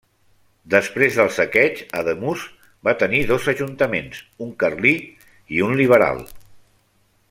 Després del saqueig, Ademús va tenir dos ajuntaments, un carlí i un liberal.